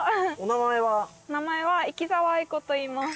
名前は生澤愛子といいます。